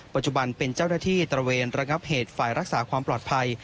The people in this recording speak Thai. ปัจจุบันเป็นเจ้าหน้าที่ตระเวนระงับเหตุฝ่ายรักษาความปลอดภัย